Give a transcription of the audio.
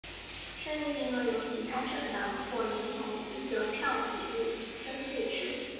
剩余名额由其他政党或联盟依得票比率分配之。